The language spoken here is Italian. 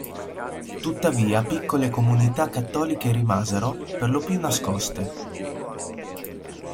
Tuttavia piccole comunità cattoliche rimasero, per lo più nascoste.